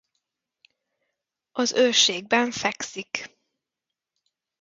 Az Őrségben fekszik.